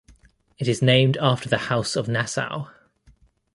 It is named after the House of Nassau.